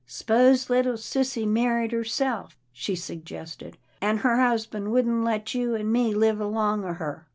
" S'pose little sissy merried herself," she suggested, " an' her husband wouldn't let you an' me live along o' her?"